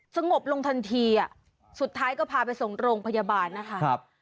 สงบลงทันทีอ่ะสุดท้ายก็พาไปส่งโรงพยาบาลนะคะ